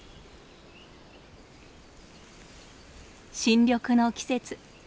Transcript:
新緑の季節。